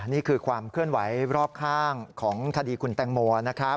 นี่คือความเคลื่อนไหวรอบข้างของคดีคุณแตงโมนะครับ